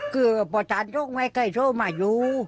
เกือบประตานทุกข์ไม่เคยโทรมาอยู่